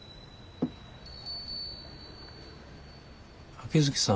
秋月さん